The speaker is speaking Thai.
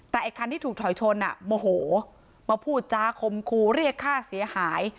แต่ไอ้คันที่ถูกถอยชนอ่ะโมโหมาพูดจาคมคูเรียกค่าเสียหาย